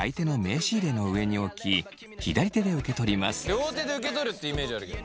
両手で受け取るっていうイメージあるけど。